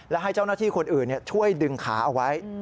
และให้เจ้าหน้าที่คนอื่นช่วยดึงขาเอาไว้